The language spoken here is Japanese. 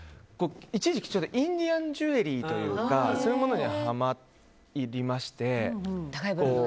一時期インディアンジュエリーというかそういうものにハマりまして。